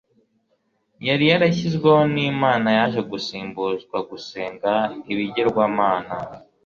yari yarashyizweho n'imana yaje gusimbuzwa gusenga ibigirwamana